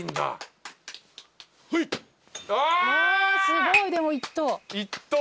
すごいでも１投。